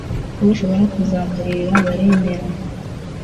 ko bashobora kuzamuririra baremera